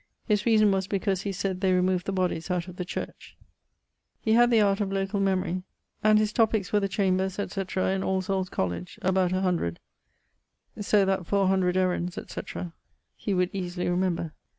] His reason was because he sayd they removed the bodies out of the church. He had the art of locall memory; and his topiques were the chambers, &c., in All Soules colledge (about 100), so that for 100 errands, &c., he would easily remember.